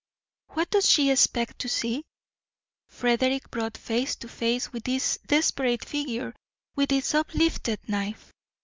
What does she expect to see? Frederick brought face to face with this desperate figure with its uplifted knife.